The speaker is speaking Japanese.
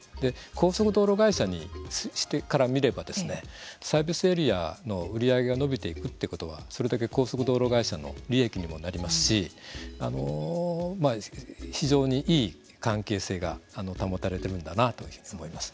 高速道路会社からみればサービスエリアの売り上げが伸びていくということはそれだけ高速道路会社の利益にもなりますし非常にいい関係性が保たれているんだなと思います。